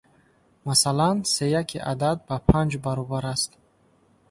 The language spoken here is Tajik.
Масалан, сеяки адад ба панҷ баробар аст.